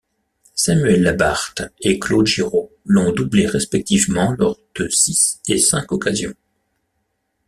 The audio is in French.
Samuel Labarthe et Claude Giraud l'ont doublé respectivement lors de six et cinq occasions.